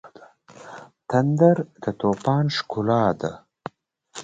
تندر د طوفان ښکلا ده.